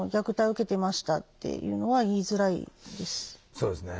そうですね。